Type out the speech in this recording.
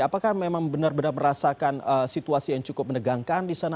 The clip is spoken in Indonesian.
apakah memang benar benar merasakan situasi yang cukup menegangkan di sana